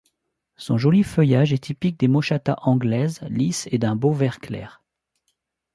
Son joli feuillage est typique des Moschatas anglaises, lisse et d'un beau vert clair.